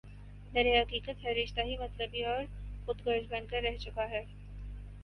درحقیقت ہر رشتہ ہی مطلبی اور خودغرض بن کر رہ چکا ہے